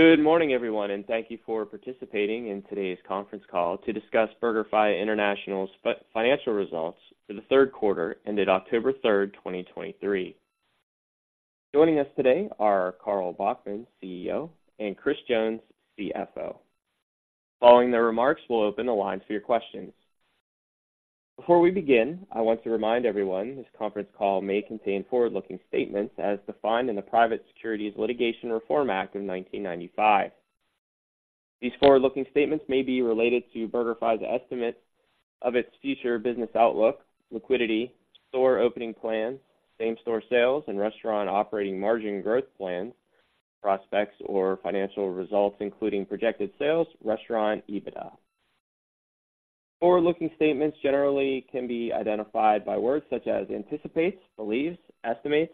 Good morning, everyone, and thank you for participating in today's conference call to discuss BurgerFi International's Financial Results for the Third Quarter Ended October 3, 2023. Joining us today are Carl Bachmann, CEO, and Chris Jones, CFO. Following their remarks, we'll open the line for your questions. Before we begin, I want to remind everyone this conference call may contain forward-looking statements as defined in the Private Securities Litigation Reform Act of 1995. These forward-looking statements may be related to BurgerFi's estimates of its future business outlook, liquidity, store opening plans, same-store sales and restaurant operating margin growth plans, prospects, or financial results, including projected sales, restaurant EBITDA. Forward-looking statements generally can be identified by words such as anticipates, believes, estimates,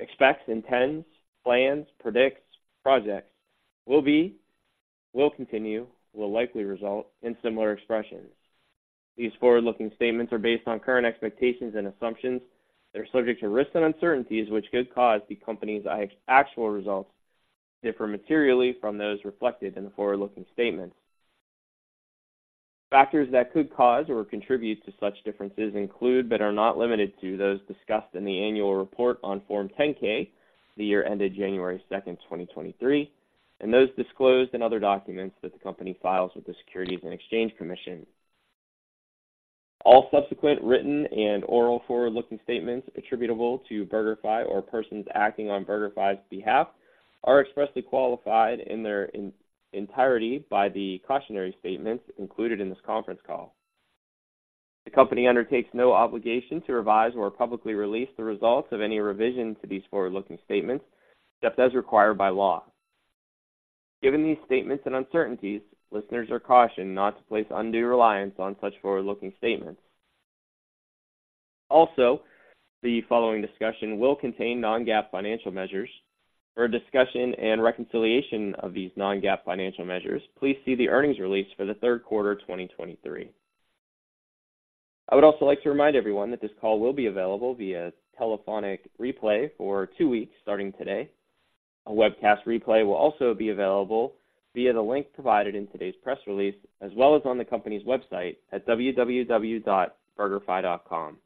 expects, intends, plans, predicts, projects, will be, will continue, will likely result in similar expressions. These forward-looking statements are based on current expectations and assumptions that are subject to risks and uncertainties, which could cause the company's actual results to differ materially from those reflected in the forward-looking statements. Factors that could cause or contribute to such differences include, but are not limited to, those discussed in the annual report on Form 10-K, the year ended January 2, 2023, and those disclosed in other documents that the company files with the Securities and Exchange Commission. All subsequent written and oral forward-looking statements attributable to BurgerFi or persons acting on BurgerFi's behalf are expressly qualified in their entirety by the cautionary statements included in this conference call. The company undertakes no obligation to revise or publicly release the results of any revision to these forward-looking statements, except as required by law. Given these statements and uncertainties, listeners are cautioned not to place undue reliance on such forward-looking statements. Also, the following discussion will contain non-GAAP financial measures. For a discussion and reconciliation of these non-GAAP financial measures, please see the earnings release for the third quarter of 2023. I would also like to remind everyone that this call will be available via telephonic replay for two weeks starting today. A webcast replay will also be available via the link provided in today's press release, as well as on the company's website at www.burgerfi.com.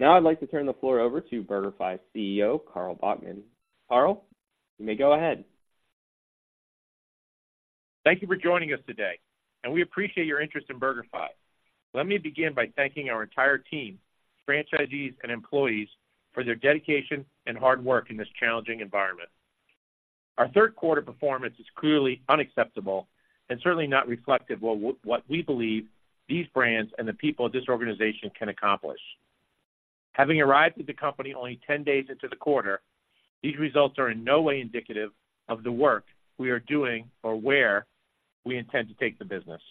Now I'd like to turn the floor over to BurgerFi's CEO, Carl Bachmann. Carl, you may go ahead. Thank you for joining us today, and we appreciate your interest in BurgerFi. Let me begin by thanking our entire team, franchisees, and employees for their dedication and hard work in this challenging environment. Our third quarter performance is clearly unacceptable and certainly not reflective of what we believe these brands and the people of this organization can accomplish. Having arrived at the company only 10 days into the quarter, these results are in no way indicative of the work we are doing or where we intend to take the business.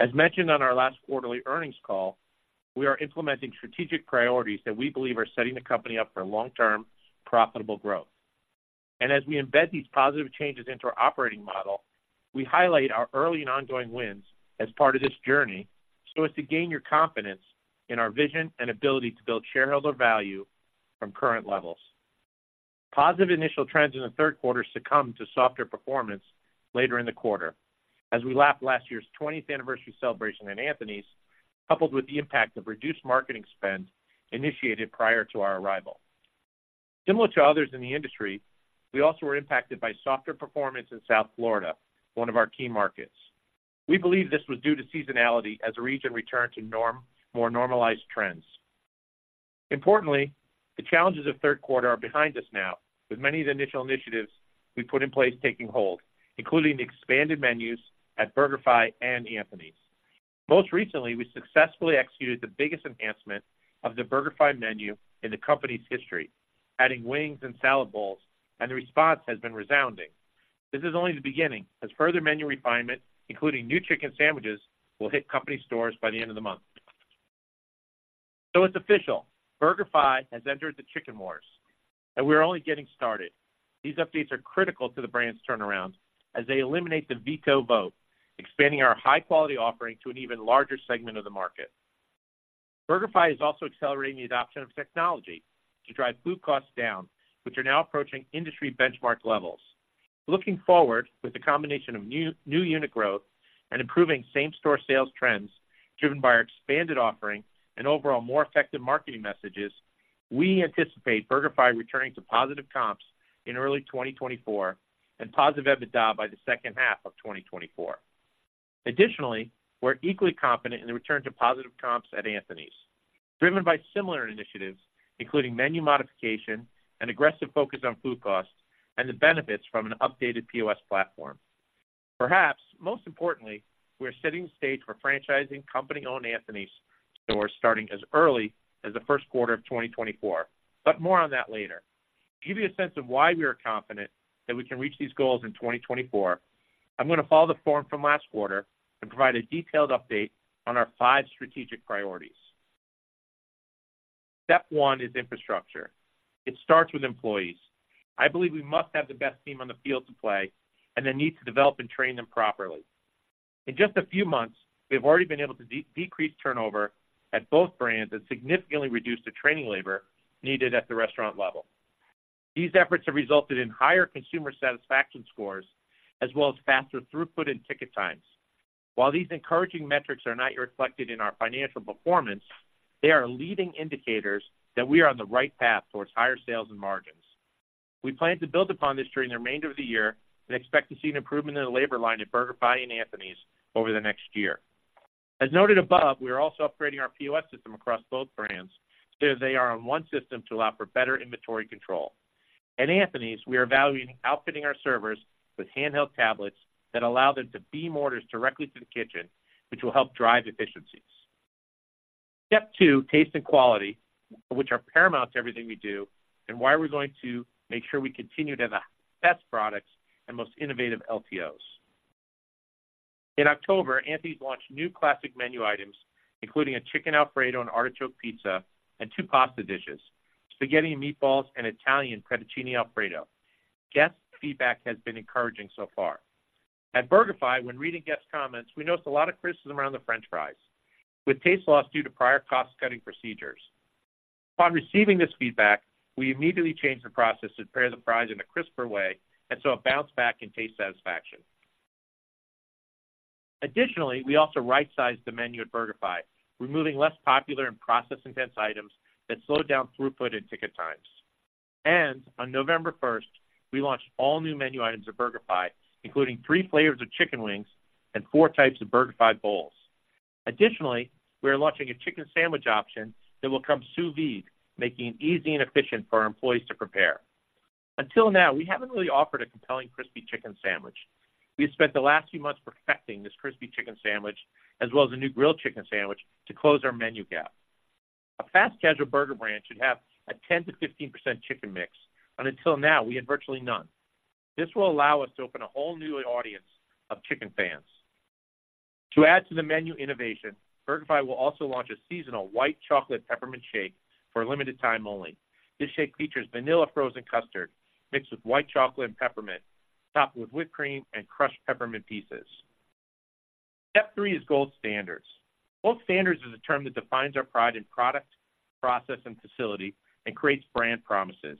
As mentioned on our last quarterly earnings call, we are implementing strategic priorities that we believe are setting the company up for long-term, profitable growth. As we embed these positive changes into our operating model, we highlight our early and ongoing wins as part of this journey so as to gain your confidence in our vision and ability to build shareholder value from current levels. Positive initial trends in the third quarter succumbed to softer performance later in the quarter as we lapped last year's twentieth anniversary celebration in Anthony's, coupled with the impact of reduced marketing spend initiated prior to our arrival. Similar to others in the industry, we also were impacted by softer performance in South Florida, one of our key markets. We believe this was due to seasonality as the region returned to more normalized trends. Importantly, the challenges of third quarter are behind us now, with many of the initial initiatives we put in place taking hold, including the expanded menus at BurgerFi and Anthony's. Most recently, we successfully executed the biggest enhancement of the BurgerFi menu in the company's history, adding wings and salad bowls, and the response has been resounding. This is only the beginning, as further menu refinement, including new chicken sandwiches, will hit company stores by the end of the month. So it's official, BurgerFi has entered the chicken wars, and we're only getting started. These updates are critical to the brand's turnaround as they eliminate the veto vote, expanding our high-quality offering to an even larger segment of the market. BurgerFi is also accelerating the adoption of technology to drive food costs down, which are now approaching industry benchmark levels. Looking forward, with the combination of new, new unit growth and improving same-store sales trends driven by our expanded offering and overall more effective marketing messages, we anticipate BurgerFi returning to positive comps in early 2024 and positive EBITDA by the second half of 2024. Additionally, we're equally confident in the return to positive comps at Anthony's, driven by similar initiatives, including menu modification and aggressive focus on food costs and the benefits from an updated POS platform. Perhaps most importantly, we're setting the stage for franchising company-owned Anthony's stores starting as early as the first quarter of 2024, but more on that later. To give you a sense of why we are confident that we can reach these goals in 2024, I'm going to follow the form from last quarter and provide a detailed update on our five strategic priorities. Step one is infrastructure. It starts with employees. I believe we must have the best team on the field to play and the need to develop and train them properly. In just a few months, we've already been able to decrease turnover at both brands and significantly reduce the training labor needed at the restaurant level. These efforts have resulted in higher consumer satisfaction scores, as well as faster throughput and ticket times. While these encouraging metrics are not yet reflected in our financial performance, they are leading indicators that we are on the right path towards higher sales and margins. We plan to build upon this during the remainder of the year and expect to see an improvement in the labor line at BurgerFi and Anthony's over the next year. As noted above, we are also upgrading our POS system across both brands, so they are on one system to allow for better inventory control. At Anthony's, we are evaluating outfitting our servers with handheld tablets that allow them to beam orders directly to the kitchen, which will help drive efficiencies. Step two, taste and quality, which are paramount to everything we do and why we're going to make sure we continue to have the best products and most innovative LTOs. In October, Anthony's launched new classic menu items, including a chicken Alfredo and artichoke pizza, and two pasta dishes, spaghetti and meatballs, and Italian fettuccine Alfredo. Guest feedback has been encouraging so far. At BurgerFi, when reading guest comments, we noticed a lot of criticism around the french fries, with taste loss due to prior cost-cutting procedures. Upon receiving this feedback, we immediately changed the process to prepare the fries in a crisper way, and saw a bounce back in taste satisfaction. Additionally, we also right-sized the menu at BurgerFi, removing less popular and processing dense items that slowed down throughput and ticket times. On November first, we launched all new menu items at BurgerFi, including 3 flavors of chicken wings and 4 types of BurgerFi Bowls. Additionally, we are launching a chicken sandwich option that will come sous vide, making it easy and efficient for our employees to prepare. Until now, we haven't really offered a compelling crispy chicken sandwich. We spent the last few months perfecting this crispy chicken sandwich, as well as a new grilled chicken sandwich to close our menu gap. A fast casual burger brand should have a 10%-15% chicken mix, and until now, we had virtually none. This will allow us to open a whole new audience of chicken fans. To add to the menu innovation, BurgerFi will also launch a seasonal White Chocolate Peppermint Shake for a limited time only. This shake features vanilla frozen custard mixed with white chocolate and peppermint, topped with whipped cream and crushed peppermint pieces. Step three is gold standards. Gold standards is a term that defines our pride in product, process, and facility, and creates brand promises.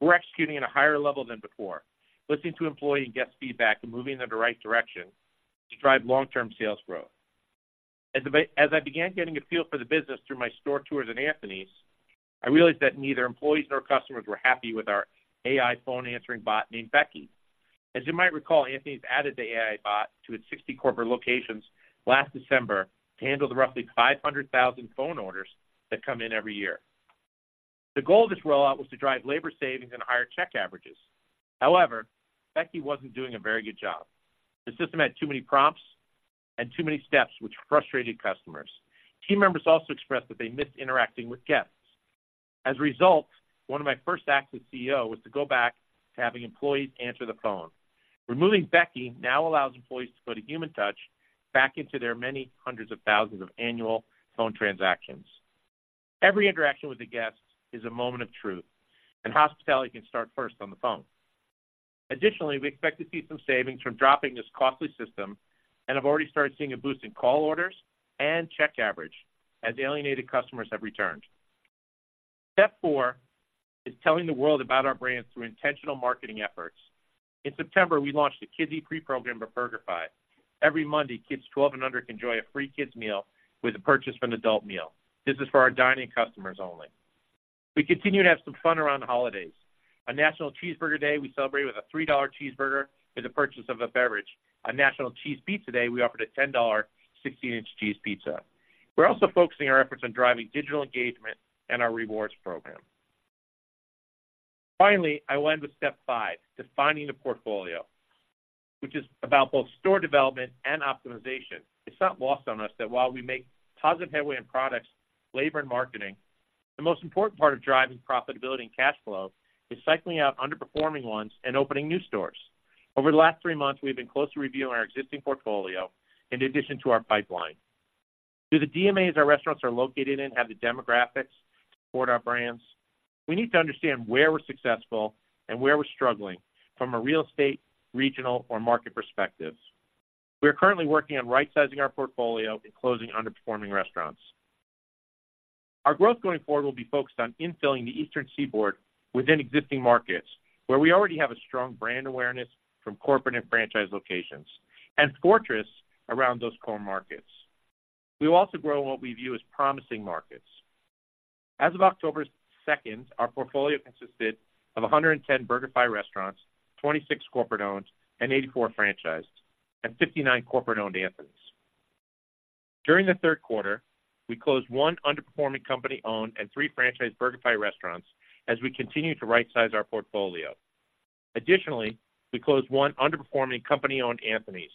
We're executing at a higher level than before, listening to employee and guest feedback and moving in the right direction to drive long-term sales growth. As I began getting a feel for the business through my store tours in Anthony's, I realized that neither employees nor customers were happy with our AI phone answering bot named Becky. As you might recall, Anthony's added the AI bot to its 60 corporate locations last December to handle the roughly 500,000 phone orders that come in every year. The goal of this rollout was to drive labor savings and higher check averages. However, Becky wasn't doing a very good job. The system had too many prompts and too many steps, which frustrated customers. Team members also expressed that they missed interacting with guests. As a result, one of my first acts as CEO was to go back to having employees answer the phone. Removing Becky now allows employees to put a human touch back into their many hundreds of thousands of annual phone transactions. Every interaction with a guest is a moment of truth, and hospitality can start first on the phone. Additionally, we expect to see some savings from dropping this costly system and have already started seeing a boost in call orders and check average as the alienated customers have returned. Step four is telling the world about our brands through intentional marketing efforts. In September, we launched a Kids Eat Free program for BurgerFi. Every Monday, kids 12 and under can enjoy a free kids meal with a purchase of an adult meal. This is for our dining customers only. We continue to have some fun around the holidays. On National Cheeseburger Day, we celebrate with a $3 cheeseburger with the purchase of a beverage. On National Cheese Pizza Day, we offered a $10 16-inch cheese pizza. We're also focusing our efforts on driving digital engagement and our rewards program. Finally, I will end with step five, defining the portfolio, which is about both store development and optimization. It's not lost on us that while we make positive headway in products, labor, and marketing, the most important part of driving profitability and cash flow is cycling out underperforming ones and opening new stores. Over the last three months, we've been closely reviewing our existing portfolio in addition to our pipeline. Do the DMAs our restaurants are located in have the demographics to support our brands? We need to understand where we're successful and where we're struggling from a real estate, regional, or market perspective. We are currently working on right-sizing our portfolio and closing underperforming restaurants. Our growth going forward will be focused on infilling the Eastern Seaboard within existing markets, where we already have a strong brand awareness from corporate and franchise locations, and fortress around those core markets. We will also grow in what we view as promising markets. As of October 2nd, our portfolio consisted of 110 BurgerFi restaurants, 26 corporate-owned, and 84 franchised, and 59 corporate-owned Anthony's. During the third quarter, we closed one underperforming company-owned and three franchised BurgerFi restaurants as we continue to rightsize our portfolio. Additionally, we closed one underperforming company-owned Anthony's.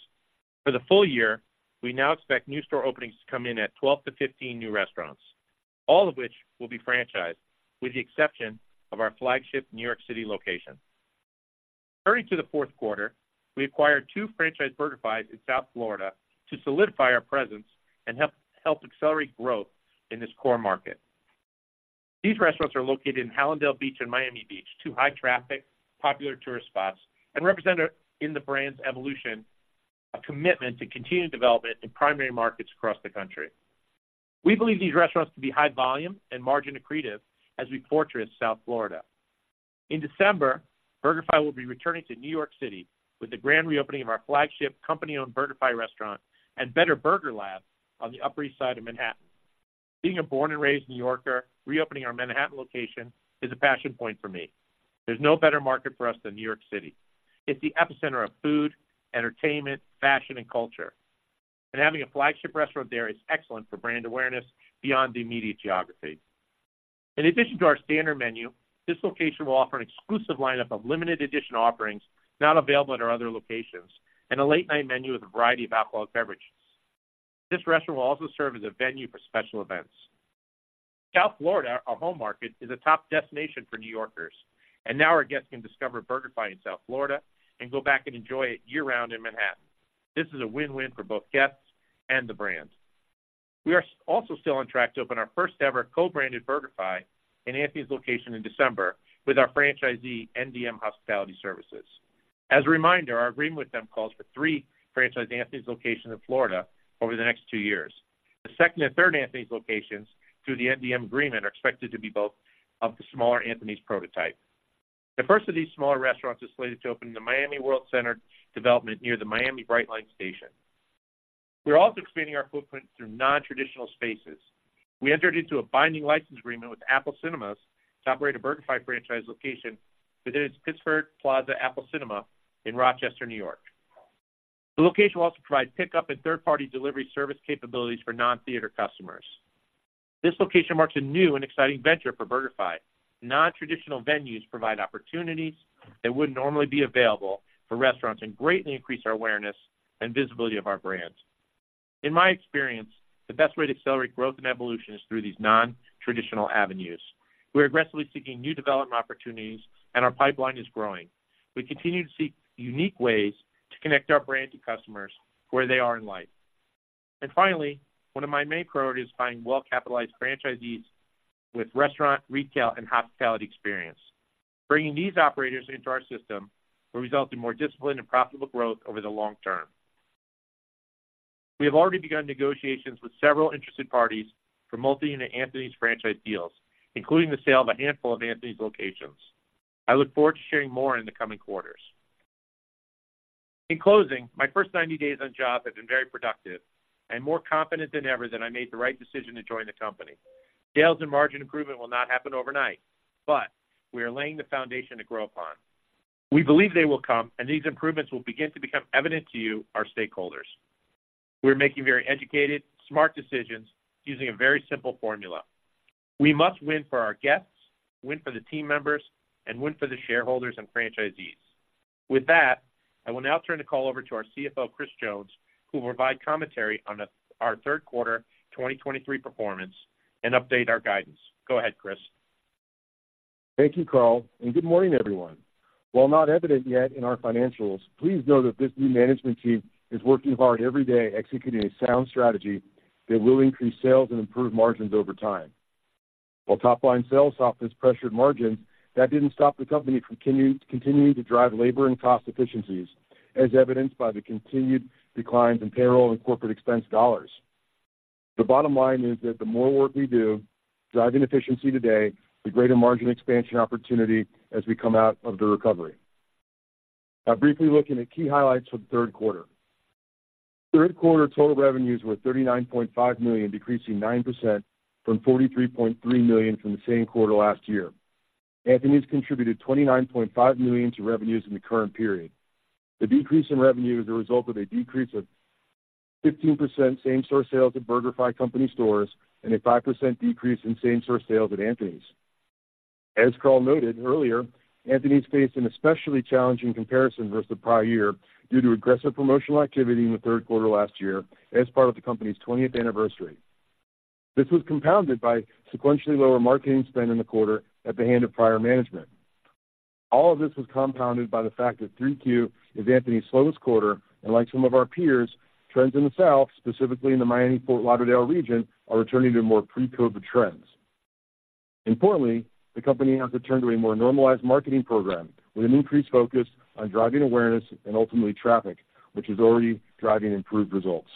For the full year, we now expect new store openings to come in at 12-15 new restaurants, all of which will be franchised, with the exception of our flagship New York City location. Turning to the fourth quarter, we acquired two franchised BurgerFis in South Florida to solidify our presence and help accelerate growth in this core market. These restaurants are located in Hallandale Beach and Miami Beach, two high traffic, popular tourist spots, and represented in the brand's evolution, a commitment to continued development in primary markets across the country. We believe these restaurants to be high volume and margin accretive as we fortress South Florida. In December, BurgerFi will be returning to New York City with the grand reopening of our flagship company-owned BurgerFi restaurant and Better Burger Lab on the Upper East Side of Manhattan. Being a born and raised New Yorker, reopening our Manhattan location is a passion point for me. There's no better market for us than New York City. It's the epicenter of food, entertainment, fashion, and culture, and having a flagship restaurant there is excellent for brand awareness beyond the immediate geography. In addition to our standard menu, this location will offer an exclusive lineup of limited edition offerings not available at our other locations, and a late-night menu with a variety of alcoholic beverages. This restaurant will also serve as a venue for special events. South Florida, our home market, is a top destination for New Yorkers, and now our guests can discover BurgerFi in South Florida and go back and enjoy it year-round in Manhattan. This is a win-win for both guests and the brand. We are also still on track to open our first-ever co-branded BurgerFi and Anthony's location in December with our franchisee, NDM Hospitality Services. As a reminder, our agreement with them calls for three franchise Anthony's locations in Florida over the next two years. The second and third Anthony's locations through the NDM agreement are expected to be both of the smaller Anthony's prototype. The first of these smaller restaurants is slated to open in the Miami Worldcenter development near the Miami Brightline Station. We're also expanding our footprint through nontraditional spaces. We entered into a binding license agreement with Apple Cinemas to operate a BurgerFi franchise location within its Pittsford Plaza Apple Cinema in Rochester, New York. The location will also provide pickup and third-party delivery service capabilities for non-theater customers. This location marks a new and exciting venture for BurgerFi. Nontraditional venues provide opportunities that wouldn't normally be available for restaurants and greatly increase our awareness and visibility of our brands. In my experience, the best way to accelerate growth and evolution is through these nontraditional avenues. We're aggressively seeking new development opportunities, and our pipeline is growing. We continue to seek unique ways to connect our brand to customers where they are in life. And finally, one of my main priorities is finding well-capitalized franchisees with restaurant, retail, and hospitality experience. Bringing these operators into our system will result in more disciplined and profitable growth over the long term. We have already begun negotiations with several interested parties for multi-unit Anthony's franchise deals, including the sale of a handful of Anthony's locations. I look forward to sharing more in the coming quarters. In closing, my first 90 days on the job have been very productive. I am more confident than ever that I made the right decision to join the company. Sales and margin improvement will not happen overnight, but we are laying the foundation to grow upon. We believe they will come, and these improvements will begin to become evident to you, our stakeholders. We're making very educated, smart decisions using a very simple formula. We must win for our guests, win for the team members, and win for the shareholders and franchisees. With that, I will now turn the call over to our CFO, Chris Jones, who will provide commentary on our third quarter 2023 performance and update our guidance. Go ahead, Chris. Thank you, Carl, and good morning, everyone. While not evident yet in our financials, please know that this new management team is working hard every day, executing a sound strategy that will increase sales and improve margins over time. While top-line sales saw this pressured margin, that didn't stop the company from continuing to drive labor and cost efficiencies, as evidenced by the continued declines in payroll and corporate expense dollars. The bottom line is that the more work we do driving efficiency today, the greater margin expansion opportunity as we come out of the recovery. Now, briefly looking at key highlights for the third quarter. Third quarter total revenues were $39.5 million, decreasing 9% from $43.3 million from the same quarter last year. Anthony's contributed $29.5 million to revenues in the current period. The decrease in revenue is a result of a decrease of 15% same-store sales at BurgerFi company stores and a 5% decrease in same-store sales at Anthony's. As Carl noted earlier, Anthony's faced an especially challenging comparison versus the prior year due to aggressive promotional activity in the third quarter last year as part of the company's 20th anniversary. This was compounded by sequentially lower marketing spend in the quarter at the hand of prior management. All of this was compounded by the fact that Q3 is Anthony's slowest quarter, and like some of our peers, trends in the South, specifically in the Miami-Fort Lauderdale region, are returning to more pre-COVID trends. Importantly, the company has returned to a more normalized marketing program with an increased focus on driving awareness and ultimately traffic, which is already driving improved results.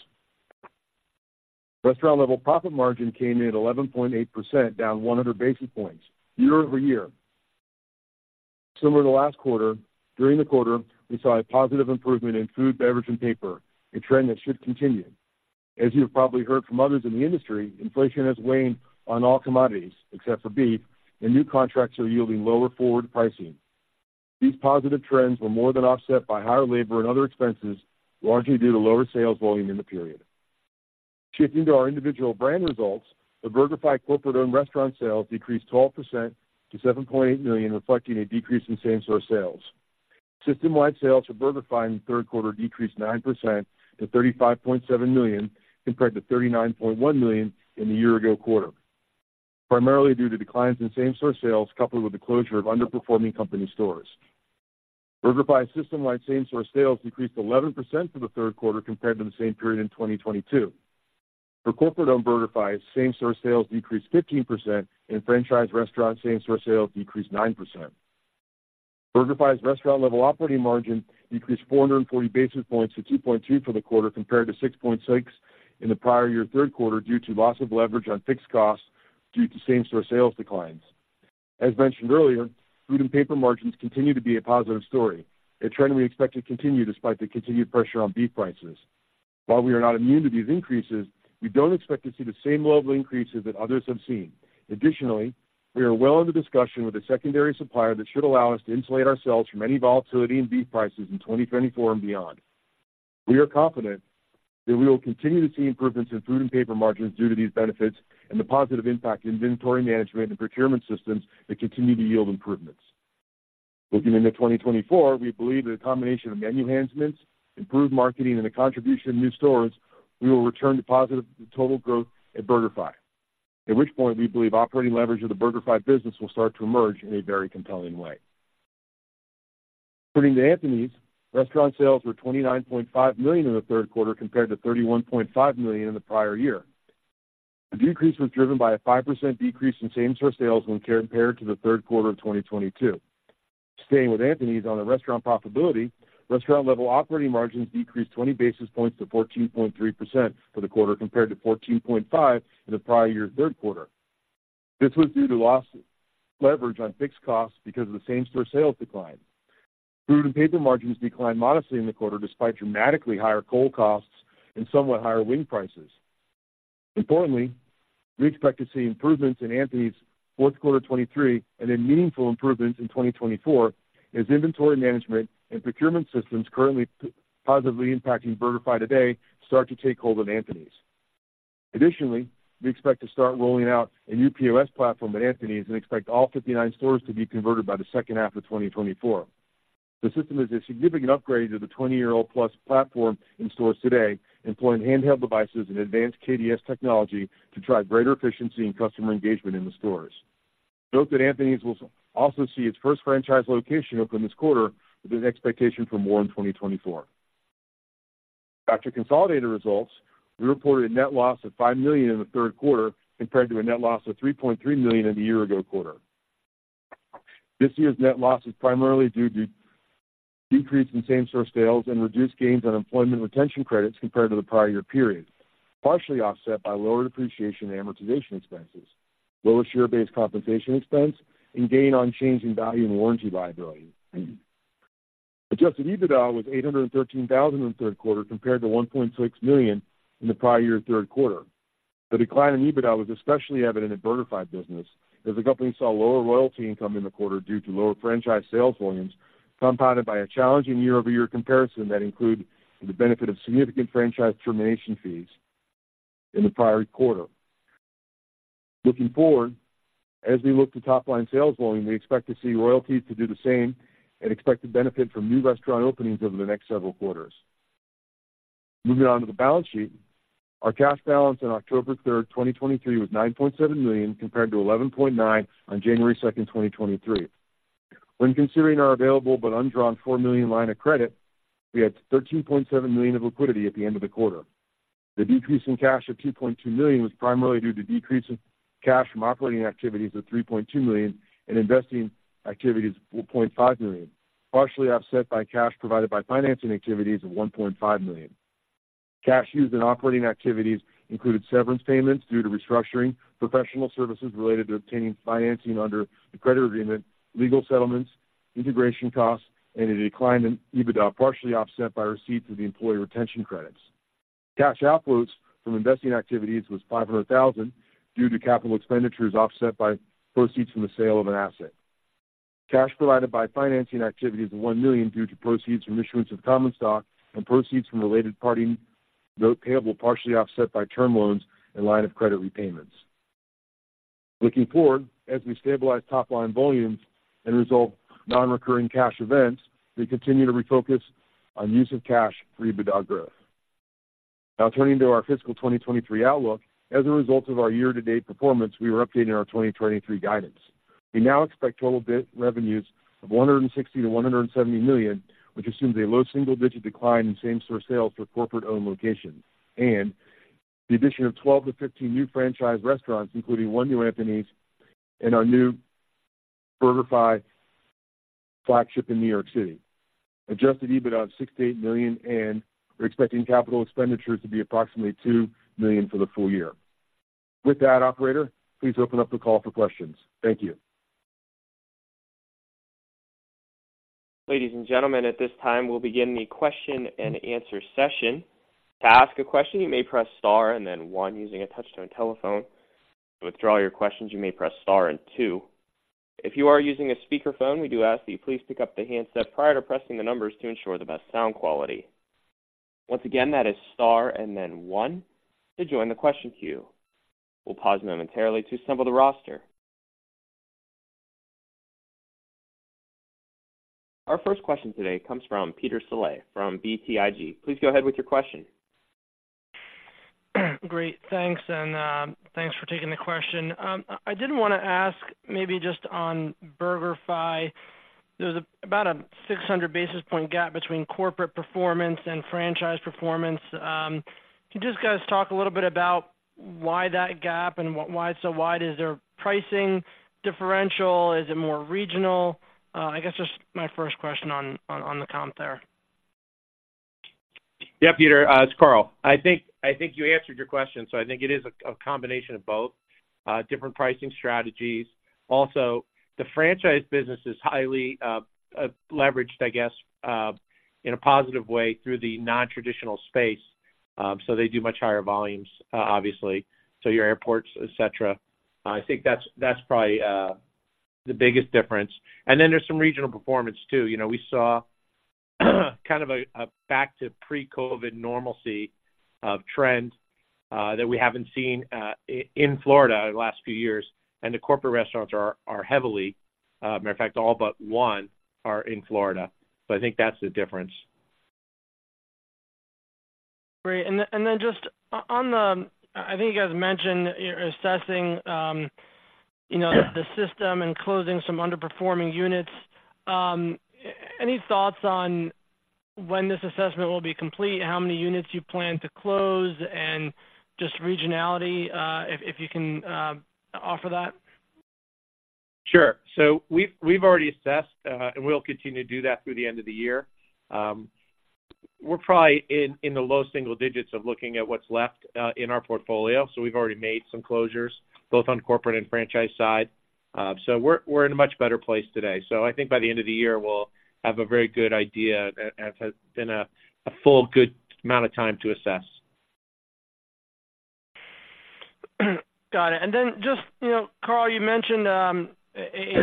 Restaurant level profit margin came in at 11.8%, down 100 basis points year-over-year. Similar to last quarter, during the quarter, we saw a positive improvement in food, beverage, and paper, a trend that should continue. As you have probably heard from others in the industry, inflation has waned on all commodities, except for beef, and new contracts are yielding lower forward pricing. These positive trends were more than offset by higher labor and other expenses, largely due to lower sales volume in the period. Shifting to our individual brand results, the BurgerFi corporate-owned restaurant sales decreased 12% to $7.8 million, reflecting a decrease in same-store sales. System-wide sales for BurgerFi in the third quarter decreased 9% to $35.7 million, compared to $39.1 million in the year-ago quarter, primarily due to declines in same-store sales, coupled with the closure of underperforming company stores. BurgerFi's system-wide same-store sales decreased 11% for the third quarter compared to the same period in 2022. For corporate-owned BurgerFi, same-store sales decreased 15%, and franchise restaurant same-store sales decreased 9%. BurgerFi's restaurant-level operating margin decreased 440 basis points to 2.2 for the quarter, compared to 6.6 in the prior year third quarter, due to loss of leverage on fixed costs due to same-store sales declines. As mentioned earlier, food and paper margins continue to be a positive story, a trend we expect to continue despite the continued pressure on beef prices. While we are not immune to these increases, we don't expect to see the same level of increases that others have seen. Additionally, we are well into discussion with a secondary supplier that should allow us to insulate ourselves from any volatility in beef prices in 2024 and beyond. We are confident that we will continue to see improvements in food and paper margins due to these benefits and the positive impact in inventory management and procurement systems that continue to yield improvements. Looking into 2024, we believe that a combination of menu enhancements, improved marketing, and the contribution of new stores. We will return to positive total growth at BurgerFi. At which point, we believe operating leverage of the BurgerFi business will start to emerge in a very compelling way. According to Anthony's, restaurant sales were $29.5 million in the third quarter, compared to $31.5 million in the prior year. The decrease was driven by a 5% decrease in same-store sales when compared to the third quarter of 2022. Staying with Anthony's on the restaurant profitability, restaurant-level operating margins decreased 20 basis points to 14.3% for the quarter, compared to 14.5% in the prior year third quarter. This was due to loss of leverage on fixed costs because of the same-store sales decline. Food and paper margins declined modestly in the quarter, despite dramatically higher coal costs and somewhat higher wing prices. Importantly, we expect to see improvements in Anthony's fourth quarter 2023 and then meaningful improvements in 2024, as inventory management and procurement systems currently positively impacting BurgerFi today start to take hold on Anthony's. Additionally, we expect to start rolling out a new POS platform at Anthony's and expect all 59 stores to be converted by the second half of 2024. The system is a significant upgrade to the 20-year-old plus platform in stores today, employing handheld devices and advanced KDS technology to drive greater efficiency and customer engagement in the stores. Note that Anthony's will also see its first franchise location open this quarter, with an expectation for more in 2024. Back to consolidated results, we reported a net loss of $5 million in the third quarter, compared to a net loss of $3.3 million in the year-ago quarter. This year's net loss is primarily due to decrease in same-store sales and reduced gains on Employee Retention Credits compared to the prior year period, partially offset by lower depreciation and amortization expenses, lower share-based compensation expense, and gain on change in value and warrant liability. Adjusted EBITDA was $813,000 in the third quarter, compared to $1.6 million in the prior year third quarter. The decline in EBITDA was especially evident in BurgerFi business, as the company saw lower royalty income in the quarter due to lower franchise sales volumes, compounded by a challenging year-over-year comparison that include the benefit of significant franchise termination fees in the prior quarter. Looking forward, as we look to top-line sales volume, we expect to see royalties to do the same and expect to benefit from new restaurant openings over the next several quarters. Moving on to the balance sheet. Our cash balance on October third, 2023, was $9.7 million, compared to $11.9 million on January second, 2023. When considering our available but undrawn $4 million line of credit, we had $13.7 million of liquidity at the end of the quarter. The decrease in cash of $2.2 million was primarily due to decrease in cash from operating activities of $3.2 million and investing activities of $0.5 million, partially offset by cash provided by financing activities of $1.5 million. Cash used in operating activities included severance payments due to restructuring, professional services related to obtaining financing under the credit agreement, legal settlements, integration costs, and a decline in EBITDA, partially offset by receipts of the employee retention credits. Cash outflows from investing activities was $500,000 due to capital expenditures, offset by proceeds from the sale of an asset. Cash provided by financing activities of $1 million due to proceeds from issuance of common stock and proceeds from related party note payable, partially offset by term loans and line of credit repayments. Looking forward, as we stabilize top-line volumes and resolve non-recurring cash events, we continue to refocus on use of cash for EBITDA growth. Now turning to our fiscal 2023 outlook. As a result of our year-to-date performance, we are updating our 2023 guidance. We now expect total net revenues of $100 million-$170 million, which assumes a low single-digit decline in same-store sales for corporate-owned locations, and the addition of 12-15 new franchise restaurants, including one new Anthony's and our new BurgerFi flagship in New York City. Adjusted EBITDA of $6 million-$8 million, and we're expecting capital expenditures to be approximately $2 million for the full year. With that, operator, please open up the call for questions. Thank you. Ladies and gentlemen, at this time, we'll begin the question-and-answer session. To ask a question, you may press star and then one using a touch-tone telephone. To withdraw your questions, you may press star and two. If you are using a speakerphone, we do ask that you please pick up the handset prior to pressing the numbers to ensure the best sound quality. Once again, that is star and then one to join the question queue. We'll pause momentarily to assemble the roster. Our first question today comes from Peter Saleh, from BTIG. Please go ahead with your question. Great. Thanks, and thanks for taking the question. I did want to ask maybe just on BurgerFi, there's about a 600 basis point gap between corporate performance and franchise performance. Can you just kind of talk a little bit about why that gap and why it's so wide? Is there a pricing differential? Is it more regional? I guess just my first question on the comp there. Yeah, Peter, it's Carl. I think, I think you answered your question, so I think it is a combination of both different pricing strategies. Also, the franchise business is highly leveraged, I guess, in a positive way through the nontraditional space. So they do much higher volumes, obviously, so your airports, et cetera. I think that's probably the biggest difference. And then there's some regional performance, too. You know, we saw, kind of a back to pre-COVID normalcy of trend that we haven't seen in Florida in the last few years, and the corporate restaurants are heavily, matter of fact, all but one are in Florida. So I think that's the difference. Great. And then just on the... I think you guys mentioned you're assessing, you know, the system and closing some underperforming units. Any thoughts on when this assessment will be complete, how many units you plan to close and just regionality, if you can offer that? Sure. So we've already assessed, and we'll continue to do that through the end of the year. We're probably in the low single digits of looking at what's left in our portfolio, so we've already made some closures, both on corporate and franchise side. So we're in a much better place today. So I think by the end of the year, we'll have a very good idea, as has been a full good amount of time to assess. Got it. And then just, you know, Carl, you mentioned a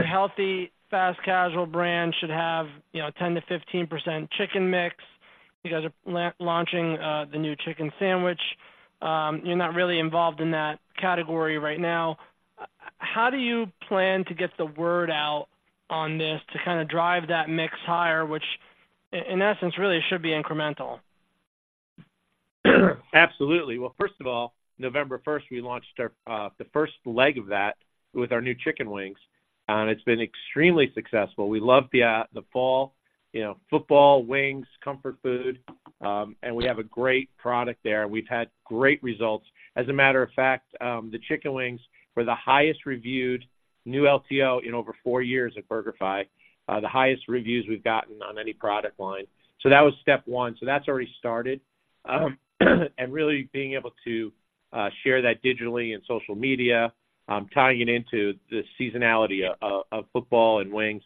healthy fast casual brand should have, you know, 10%-15% chicken mix. You guys are launching the new chicken sandwich. You're not really involved in that category right now. How do you plan to get the word out on this to kind of drive that mix higher, which in essence, really should be incremental? Absolutely. Well, first of all, November first, we launched our, the first leg of that with our new chicken wings, and it's been extremely successful. We love the fall, you know, football, wings, comfort food, and we have a great product there. We've had great results. As a matter of fact, the chicken wings were the highest reviewed new LTO in over four years at BurgerFi, the highest reviews we've gotten on any product line. So that was step one. So that's already started. And really being able to share that digitally in social media, tying it into the seasonality of football and wings.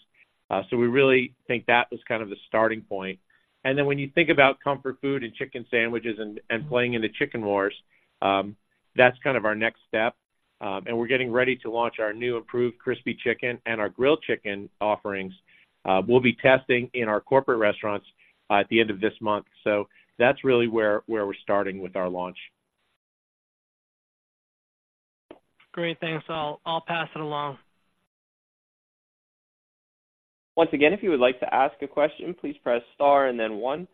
So we really think that was kind of the starting point. Then when you think about comfort food and chicken sandwiches and playing in the chicken wars, that's kind of our next step. We're getting ready to launch our new improved crispy chicken and our grilled chicken offerings. We'll be testing in our corporate restaurants at the end of this month. That's really where we're starting with our launch. Great, thanks. I'll pass it along. Once again, if you would like to ask a question, please press star and then one.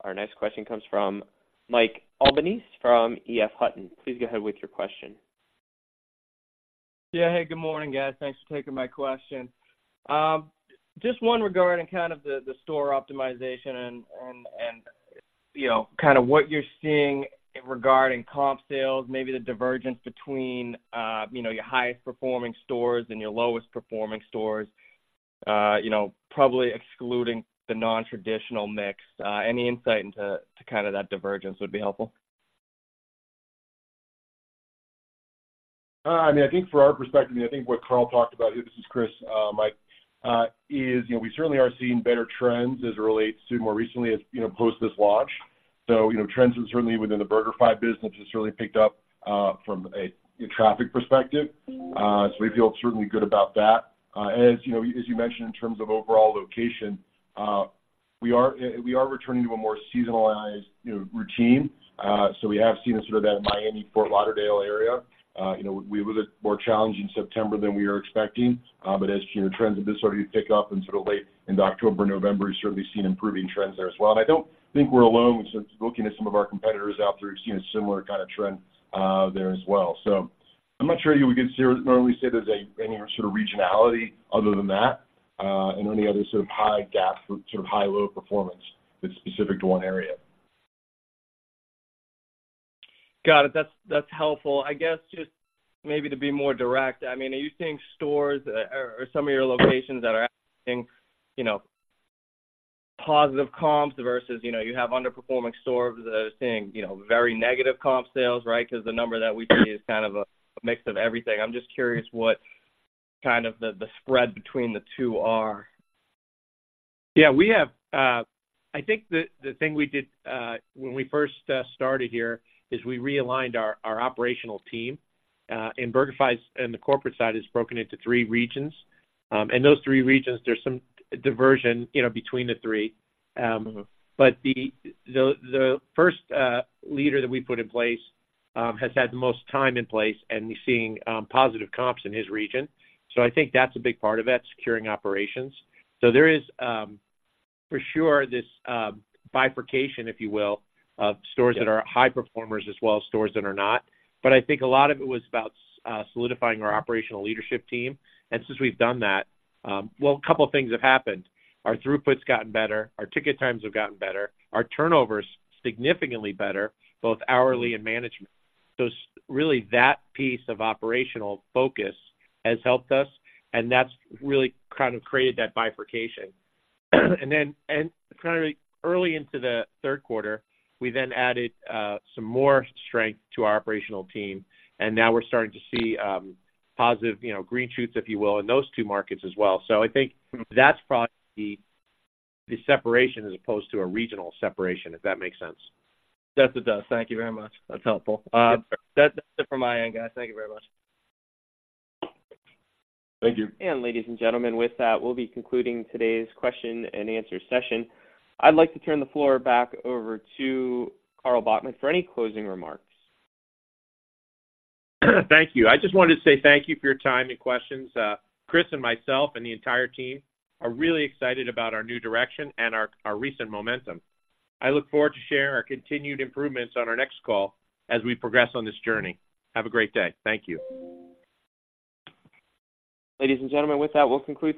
Our next question comes from Mike Albanese from EF Hutton. Please go ahead with your question. Yeah. Hey, good morning, guys. Thanks for taking my question. Just one regarding kind of the store optimization and, you know, kind of what you're seeing regarding comp sales, maybe the divergence between, you know, your highest performing stores and your lowest performing stores, you know, probably excluding the nontraditional mix. Any insight into kind of that divergence would be helpful. I mean, I think from our perspective, I think what Carl talked about, this is Chris, Mike, is, you know, we certainly are seeing better trends as it relates to more recently as, you know, post this launch. So, you know, trends certainly within the BurgerFi business has really picked up, from a traffic perspective. So we feel certainly good about that. As you know, as you mentioned, in terms of overall location, we are, we are returning to a more seasonalized, you know, routine. So we have seen in sort of that Miami, Fort Lauderdale area, you know, we were a little more challenging September than we were expecting. But as, you know, trends have started to pick up in sort of late into October, November, we've certainly seen improving trends there as well. I don't think we're alone. Since looking at some of our competitors out there, we've seen a similar kind of trend, there as well. I'm not sure we can seriously say there's a any sort of regionality other than that, and any other sort of high gap, sort of high/low performance that's specific to one area. Got it. That's, that's helpful. I guess just maybe to be more direct, I mean, are you seeing stores or, or some of your locations that are seeing, you know, positive comps versus, you know, you have underperforming stores that are seeing, you know, very negative comp sales, right? Because the number that we see is kind of a mix of everything. I'm just curious what kind of the, the spread between the two are. Yeah, we have. I think the thing we did when we first started here is we realigned our operational team, and BurgerFi's, and the corporate side is broken into three regions. And those three regions, there's some diversion, you know, between the three. But the first leader that we put in place has had the most time in place, and we're seeing positive comps in his region. So I think that's a big part of it, securing operations. So there is, for sure, this bifurcation, if you will, of stores that are high performers as well as stores that are not. But I think a lot of it was about solidifying our operational leadership team. And since we've done that, well, a couple of things have happened. Our throughput's gotten better, our ticket times have gotten better, our turnover is significantly better, both hourly and management. So really, that piece of operational focus has helped us, and that's really kind of created that bifurcation. And then, and kind of early into the third quarter, we then added some more strength to our operational team, and now we're starting to see positive, you know, green shoots, if you will, in those two markets as well. So I think that's probably the, the separation as opposed to a regional separation, if that makes sense. Yes, it does. Thank you very much. That's helpful. That's it from my end, guys. Thank you very much. Thank you. Ladies and gentlemen, with that, we'll be concluding today's question and answer session. I'd like to turn the floor back over to Carl Bachmann for any closing remarks. Thank you. I just wanted to say thank you for your time and questions. Chris and myself and the entire team are really excited about our new direction and our recent momentum. I look forward to sharing our continued improvements on our next call as we progress on this journey. Have a great day. Thank you. Ladies and gentlemen, with that, we'll conclude today.